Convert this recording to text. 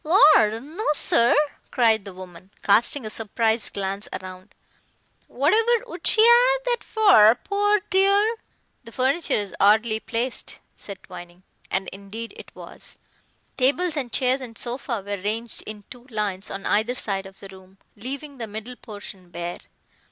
"Lor no, sir," cried the woman, casting a surprised glance round, "whatever would she 'ave that for, pore dear?" "The furniture is oddly placed," said Twining. And indeed it was. Tables and chairs and sofa were ranged in two lines on either side of the room, leaving the middle portion bare.